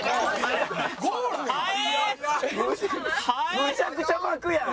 むちゃくちゃ巻くやん。